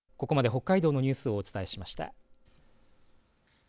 ここまで北海道のニュースをお伝えしました。